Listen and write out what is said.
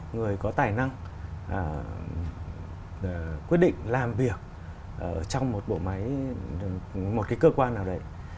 người có tài năng quyết định làm việc trong một bộ máy một cái cơ quan nào đấy